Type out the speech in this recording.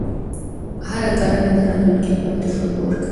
هره کړنه د راتلونکي لپاره تجربه ورکوي.